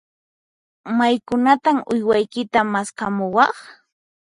Maykunantan uywaykita maskhamuwaq?